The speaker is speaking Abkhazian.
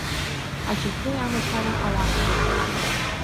Аџьықәреи амацара ауакәхыз.